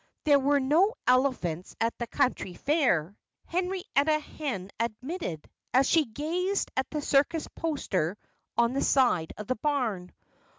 "There were no elephants at the county fair," Henrietta Hen admitted as she gazed at the circus poster on the side of the barn.